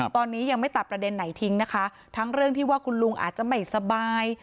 ตอนนี้ยังไม่ตัดประเด็นไหนทิ้งนะคะทั้งเรื่องที่ว่าคุณลุงอาจจะไม่สบาย